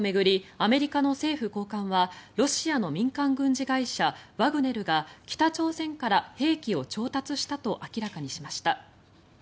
アメリカの政府高官はロシアの民間軍事会社ワグネルが北朝鮮から兵器を調達したと明らかにしました。